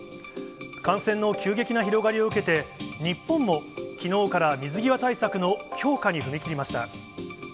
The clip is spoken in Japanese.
感染の急激な広がりを受けて、日本もきのうから水際対策の強化